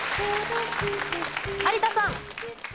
有田さん。